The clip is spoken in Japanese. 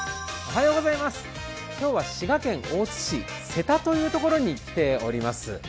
今日は滋賀県大津市瀬田というところに来ています。